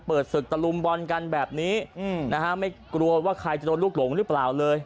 เปิดศึกตะลุมบอลกันแบบนี้นะฮะไม่กลัวว่าใครจะโดนลูกหลงหรือเปล่าเลย